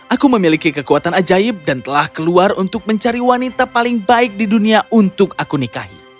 aku memiliki kekuatan ajaib dan telah keluar untuk mencari wanita